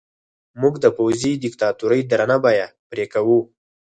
موږ د پوځي دیکتاتورۍ درنه بیه پرې کوو.